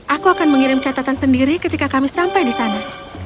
aku akan mengirim catatan sendiri ketika kami sampai di sana